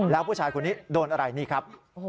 แล้วผู้ชายคนนี้โดนอะไรนี่ครับ